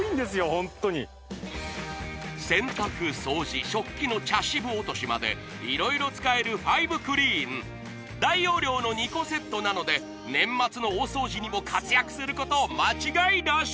ホントに洗濯掃除食器の茶渋落としまで色々使えるファイブクリーン大容量の２個セットなので年末の大掃除にも活躍すること間違いなし